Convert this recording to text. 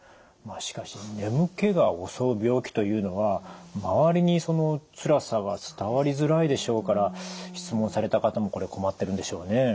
しかし眠気が襲う病気というのは周りにつらさが伝わりづらいでしょうから質問された方もこれ困ってるんでしょうね。